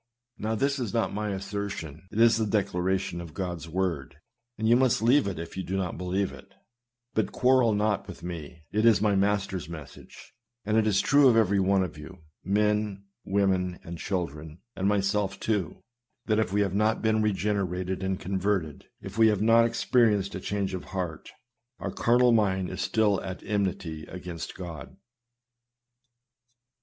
Now, this is not my assertion, it is the declaration of God's word, and you must leave it if you do not believe it ; but quarrel not with me, it is my Master's message ; and it is true of every one of you — men, women, and children, and myself too — that if we have not been regenerated and converted, if we have not experienced a change of heart, our carnal mind is still at enmity against God.